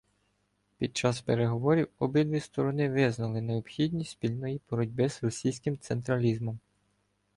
Під час переговорів обидві сторони визнали необхідність спільної боротьби з російським централізмом.